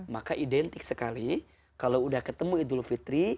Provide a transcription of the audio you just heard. maka identik sekali kalau sudah ketemu a'idul fitri